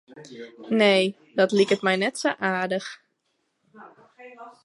Nee, dat liket my net sa aardich.